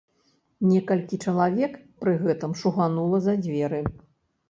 Некалькі чалавек пры гэтым шуганула за дзверы.